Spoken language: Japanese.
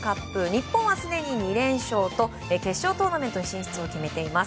日本はすでに２連勝と決勝トーナメントの進出を決めています。